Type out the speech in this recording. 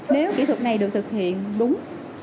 nếu kỹ thuật này được thực hiện đúng